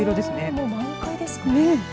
もう満開ですね。